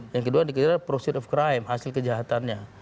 yang kedua dikejar prosedur crime hasil kejahatannya